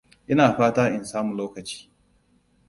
Ina fata in samu lokaci.